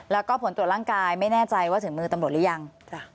แล้วก็ผลตรวจร่างกายไม่แน่ใจว่าถึงมือตำรวจหรือยัง